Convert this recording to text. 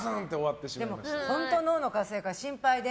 でも、本当に脳の活性化心配で。